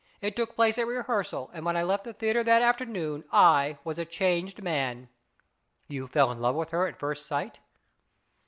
It took place at rehearsal, and when I left the theatre that afternoon I was a changed man." " You fell in love with her at first sight